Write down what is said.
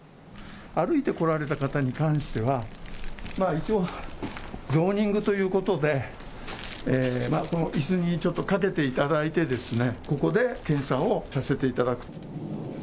歩いて来られた方に関しては一応、ゾーニングということでこのいすにちょっとかけていただいてここで検査をさせていただくと。